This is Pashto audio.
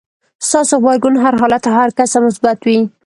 ستاسې غبرګون هر حالت او هر کس ته مثبت وي.